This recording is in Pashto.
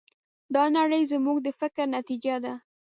دا نړۍ زموږ د فکر نتیجه ده.